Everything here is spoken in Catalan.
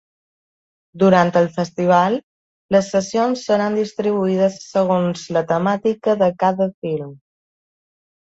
Durant el festival, les sessions seran distribuïdes segons la temàtica de cada film.